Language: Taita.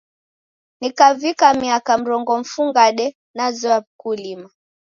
Nikavika miaka mrongo mfungade, nazoya w'ukulima.